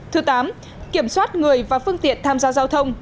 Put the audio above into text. thứ tám kiểm soát người và phương tiện tham gia giao thông